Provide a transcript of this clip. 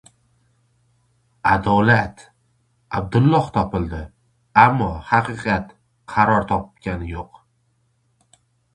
«Adolat»: Abdulloh topildi, ammo haqiqat qaror topgani yo‘q!